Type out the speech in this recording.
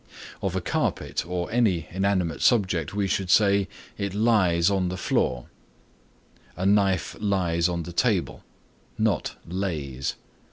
Of a carpet or any inanimate subject we should say, "It lies on the floor," "A knife lies on the table," not lays.